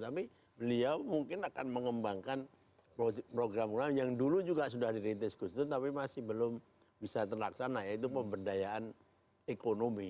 tapi beliau mungkin akan mengembangkan program program yang dulu juga sudah dirintis gus dur tapi masih belum bisa terlaksana yaitu pemberdayaan ekonomi